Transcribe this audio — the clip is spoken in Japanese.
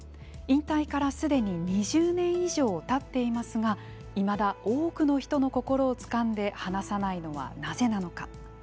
引退からすでに２０年以上たっていますがいまだ多くの人の心をつかんで離さないのはなぜなのか。